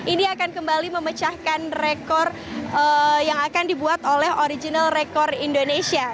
ini akan kembali memecahkan rekor yang akan dibuat oleh original rekor indonesia